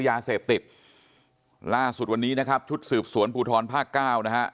ยาเสพติดล่าสุดวันนี้นะครับชุดสืบสวนภูทรภาคเก้านะฮะ